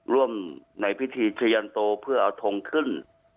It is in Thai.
ร่วมในพิธีชะยันโตเพื่อเอาทงขึ้น